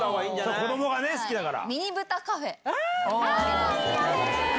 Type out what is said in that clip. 子どもがね、好きだから。